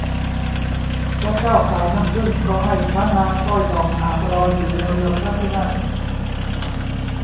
พระเจ้าสายน้ำผึ้งก็ให้พระนางสร้อยดอกหมากรออยู่ในเรือพระที่นั่ง